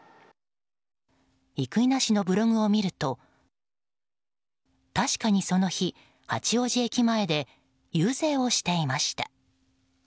生稲氏のブログを見ると確かにその日、八王子駅前で遊説をしていました。